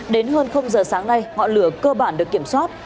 đến hơn giờ sáng nay ngọn lửa cơ bản được kiểm soát